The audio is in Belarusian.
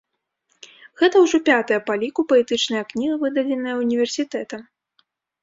Гэта ўжо пятая па ліку паэтычная кніга, выдадзеная універсітэтам.